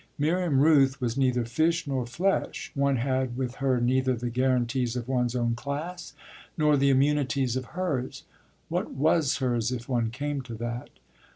Miriam Rooth was neither fish nor flesh: one had with her neither the guarantees of one's own class nor the immunities of hers. What was hers if one came to that?